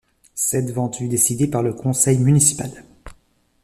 Cette vente fut décidée par le conseil municipal.